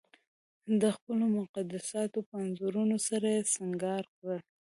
د خپلو مقدساتو په انځورونو سره یې سنګار کړه.